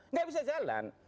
nggak bisa jalan